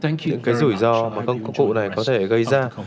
những cái rủi ro mà công cụ này có thể gây ra